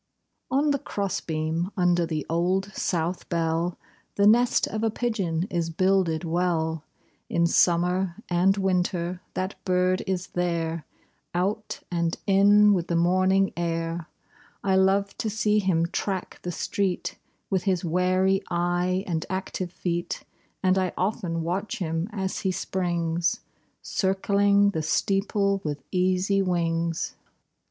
On the cross beam under the Old South bell The nest of a pigeon is builded well. B I li (88) In summer and winter that bird is there, Out and in with the morning air : I love to see him track the street, Witli his wary eye and active feet ; And 1 often watch him as he springs. Circling the steeple with easy wings.